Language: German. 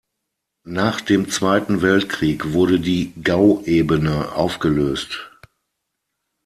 Nach dem Zweiten Weltkrieg wurde die Gau-Ebene aufgelöst.